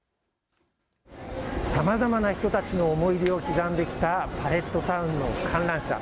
さまざまな人たちの思い出を刻んできたパレットタウンの観覧車。